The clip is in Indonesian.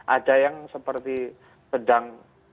ada yang seperti sedang